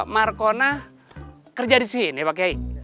markona kerja di sini pak kiai